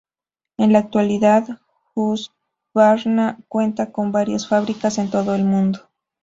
En la actualidad, Husqvarna cuenta con varias fábricas en todo el mundo.